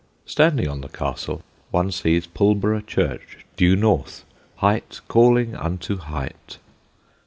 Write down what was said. Standing on the castle one sees Pulborough church due north height calling unto height.